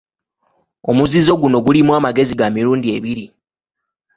Omuzizo guno gulimu amagezi ga mirundi ebiri.